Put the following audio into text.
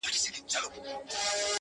• ګرم مي و نه بولی چي شپه ستایمه ..